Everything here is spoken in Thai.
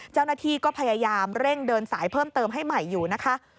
เจ้าหน้าที่ก็พยายามเร่งเดินสายเพิ่มเติมให้ใหม่อยู่นะคะ